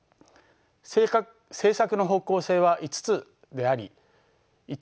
政策の方向性は５つであり１